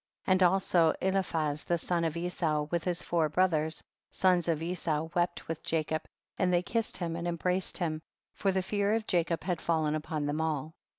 58. And also Eliphaz, the son of Esau, with his four brothers, sons of Esau, wept with Jacob, and they kissed him and embraced him, for the fear of Jacob had fallen upon them all.